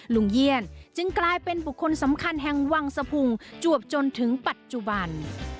เยี่ยนจึงกลายเป็นบุคคลสำคัญแห่งวังสะพุงจวบจนถึงปัจจุบัน